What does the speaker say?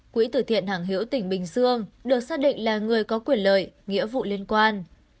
quỹ tử thiện hàng hiểu tỉnh bình dương được xác định là người có quyền lợi nghĩa vụ liên quan